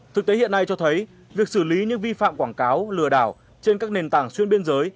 thực tế hiện nay cho thấy việc xử lý những vi phạm quảng cáo lừa đảo trên các nền tảng xuyên biên giới